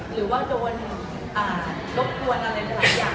หรือว่าโดนรบกวนอะไรหลายอย่าง